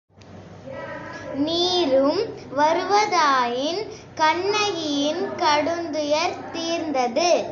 நீரும் வருவதாயின் கண்ணகியின் கடுந்துயர் தீர்ந்தது.